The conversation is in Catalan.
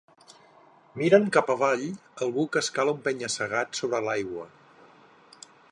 Miren cap avall algú que escala un penya-segat sobre l'aigua.